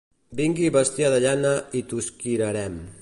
Vingui bestiar de llana i tosquirarem.